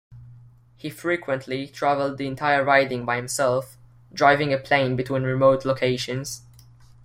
He frequently traveled the entire riding by himself, driving a plane between remote locations.